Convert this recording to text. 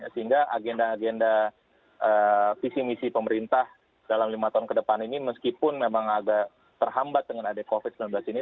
sehingga agenda agenda visi misi pemerintah dalam lima tahun ke depan ini meskipun memang agak terhambat dengan ada covid sembilan belas ini